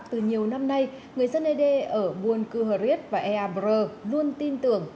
từ nhiều năm nay người dân ad ở buôn cư hờ riết và ea brơ luôn tin tưởng